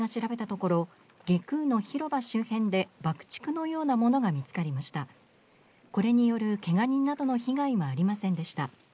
これによるけが人などの被害はありませんでした